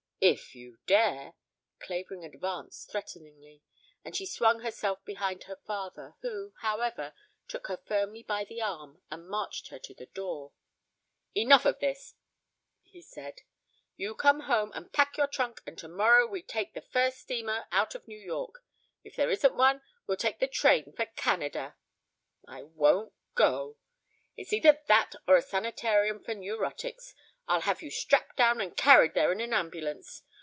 "If you dare!" Clavering advanced threateningly and she swung herself behind her father, who, however, took her firmly by the arm and marched her to the door. "Enough of this," he said. "You come home and pack your trunk and tomorrow we take the first steamer out of New York. If there isn't one, we'll take the train for Canada " "I won't go." "It's either that or a sanitarium for neurotics. I'll have you strapped down and carried there in an ambulance.